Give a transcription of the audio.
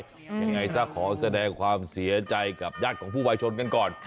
ยังไงซะขอแสดงความเสียใจกับญาติของผู้วายชนกันก่อน